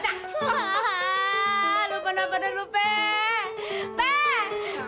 ah lupa lupa dulu pak